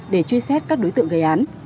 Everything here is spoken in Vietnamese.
để truy xét các đối tượng gây án